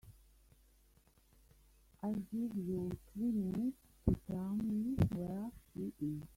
I'll give you three minutes to tell me where she is.